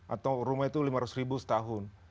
atau rumah itu lima ratus ribu setahun